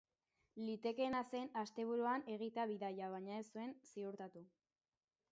Litekeena zen asteburuan egitea bidaia baina ez zuen ziurtatu.